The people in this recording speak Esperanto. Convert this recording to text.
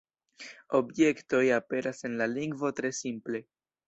Objektoj aperas en la lingvo tre simple.